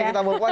oke kita bukong